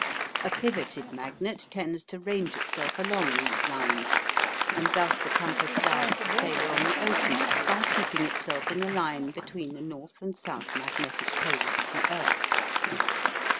A pivoted magnet tends to range itself along these lines, and thus the compass guides the sailor on the ocean by keeping itself in the line between the north and south magnetic poles of the earth.